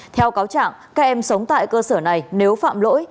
theo cáo trạng các em sống tại cơ sở này nếu phạm lỗi